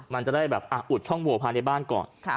มันจะได้แบบอ่ะอุดช่องบัวพาในบ้านก่อนค่ะ